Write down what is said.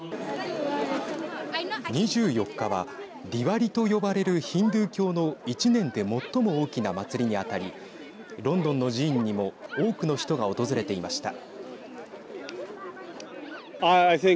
２４日は、ディワリと呼ばれるヒンドゥー教の１年で最も大きな祭りに当たりロンドンの寺院にも多くの人が訪れていました。